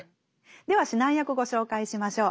では指南役ご紹介しましょう。